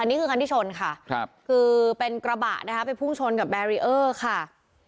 อันนี้คือคันที่ชนค่ะครับคือเป็นกระบะนะคะไปพุ่งชนกับแบรีเออร์ค่ะ